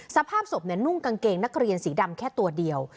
สภาพศพนุ่งกางเกงนักเรียนสีดำแค่ตัวเดียว